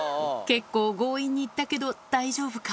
結構強引に行ったけど、大丈夫か？